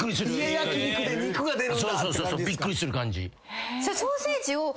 そうそうそうびっくりする感じ。